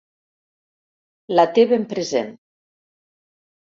La té ben present.